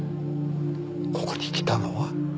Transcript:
ここに来たのは？